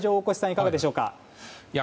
いかがでしょうか。